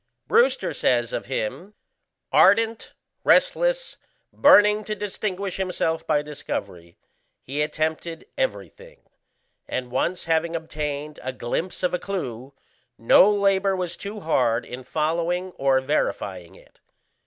Brewster says of him: "Ardent, restless, burning to distinguish himself by discovery, he attempted everything; and once having obtained a glimpse of a clue, no labour was too hard in following or verifying it.